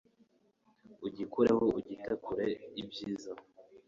ugikureho ugite kure. ibyiza